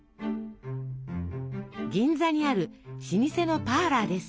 銀座にある老舗のパーラーです。